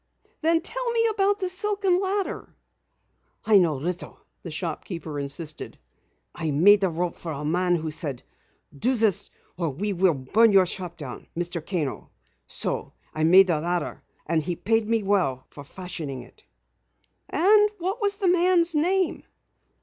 "Then tell me about the silken ladder." "I know little," the shopkeeper insisted. "I made the rope for a man who said: 'Do this or we will burn your shop down, Mr. Kano.' So I made the ladder and he paid me well for fashioning it." "And what was the man's name?"